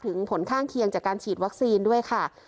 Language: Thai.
ผลข้างเคียงจากการฉีดวัคซีนด้วยค่ะ